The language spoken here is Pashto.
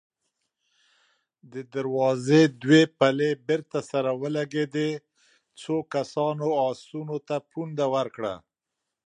د دروازې دوې پلې بېرته سره ولګېدې، څو کسانو آسونو ته پونده ورکړه.